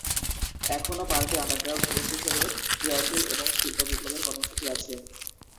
এখনো party underground group হিসেবে ক্রিয়াশীল এবং সশস্ত্র বিপ্লবের কর্মসূচি আছে।